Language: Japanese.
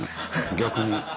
逆に。